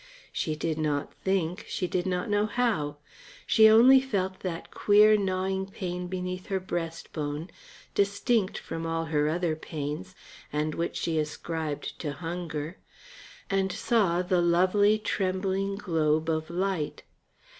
She did not think, she did not know how. She only felt that queer gnawing beneath her breastbone, distinct from all her other pains, and which she ascribed to hunger, and saw the lovely, trembling globe of light.